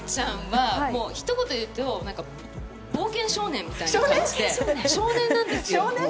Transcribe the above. リエちゃんはひと言で言うと冒険少年みたいな感じ、少年なんですよ。